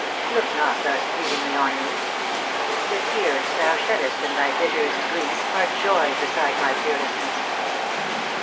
Look not thus pleadingly on me I The tear» Thou sheddest in thy bitterest grief are joy Beside my tearlessness."